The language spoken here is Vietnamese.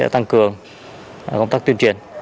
tăng cường công tác tuyên truyền